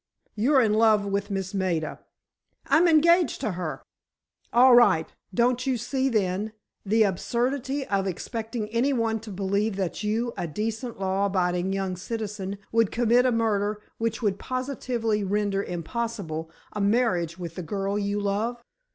You're in love with Miss Maida——" "I'm engaged to her!" "All right; don't you see, then, the absurdity of expecting any one to believe that you, a decent, law abiding young citizen, would commit a murder which would positively render impossible a marriage with the girl you love?"